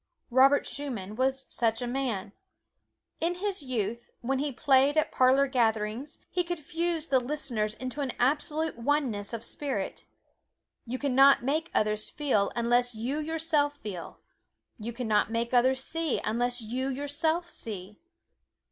Robert Schumann was such a man. In his youth, when he played at parlor gatherings he could fuse the listeners into an absolute oneness of spirit. You can not make others feel unless you yourself feel; you can not make others see unless you yourself see.